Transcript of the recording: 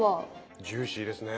ジューシーですね。